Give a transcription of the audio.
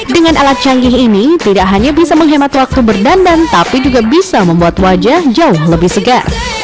dengan alat canggih ini tidak hanya bisa menghemat waktu berdandan tapi juga bisa membuat wajah jauh lebih segar